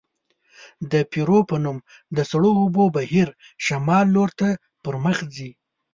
د پیرو په نوم د سړو اوبو بهیر شمال لورته پرمخ ځي.